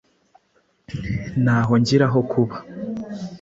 ntaho ngira ho kuba,